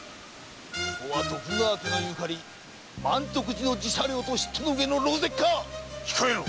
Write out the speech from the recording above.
ここは徳川家の縁満徳寺の寺社領と知ってのうえの狼藉かっ⁉控えろ！